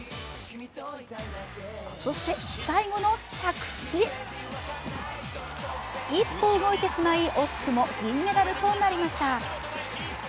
そして、最後の着地一歩動いてしまい、惜しくも銀メダルとなりました。